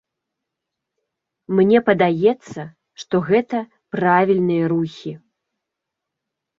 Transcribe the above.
Мне падаецца, што гэта правільныя рухі.